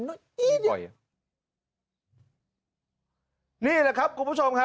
นี่แหละครับคุณผู้ชมครับ